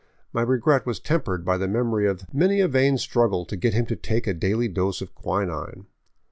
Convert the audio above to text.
My regret was tempered by the memory of many a vain struggle to get him to take a daily dose of quinine.